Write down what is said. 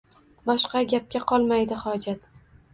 Boshqa gapga qolmaydi hojat.